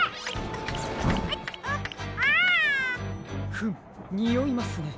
フムにおいますね。